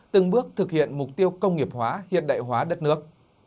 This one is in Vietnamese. từng bước thực hiện mục tiêu công nghiệp hóa hiện đại hóa đất nước